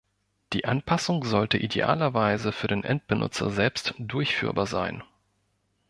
Die Anpassung sollte idealerweise für den Endbenutzer selbst durchführbar sein.